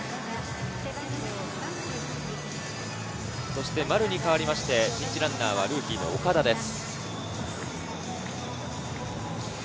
そして丸に代わりまして、ピンチランナーは岡田です。